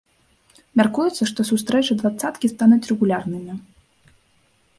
Мяркуецца, што сустрэчы дваццаткі стануць рэгулярнымі.